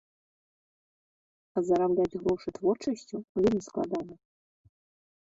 Зарабляць грошы творчасцю вельмі складана.